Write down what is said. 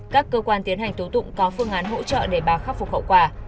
các cơ quan tiến hành tố tụng có phương án hỗ trợ để bà khắc phục hậu quả